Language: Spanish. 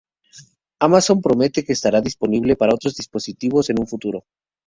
Amazon promete que estará disponible para otros dispositivos en un futuro.